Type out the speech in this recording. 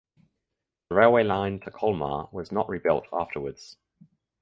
The railway line to Colmar was not rebuilt afterwards.